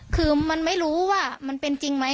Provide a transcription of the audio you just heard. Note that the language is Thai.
คือมันไม่รู้ว่ามันเป็นจริงไหม